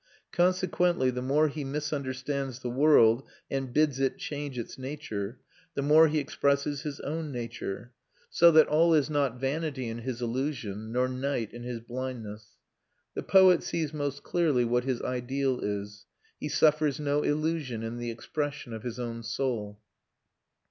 Consequently the more he misunderstands the world and bids it change its nature, the more he expresses his own nature: so that all is not vanity in his illusion, nor night in his blindness. The poet sees most clearly what his ideal is; he suffers no illusion in the expression of his own soul.